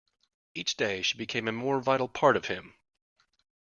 Each day she became a more vital part of him.